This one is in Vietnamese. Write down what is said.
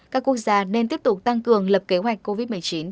các quốc gia nên tiếp tục tăng cường lập kế hoạch covid một mươi chín